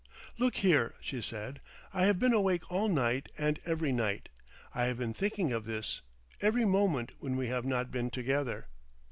"Look here," she said. "I have been awake all night and every night. I have been thinking of this—every moment when we have not been together.